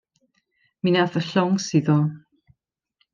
Mi nath y llong suddo.